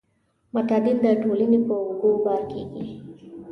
معتادین د ټولنې په اوږو بار کیږي.